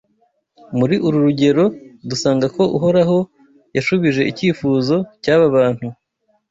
Muri uru rugero, dusanga ko Uhoraho yashubije icyifuzo cy’aba bantu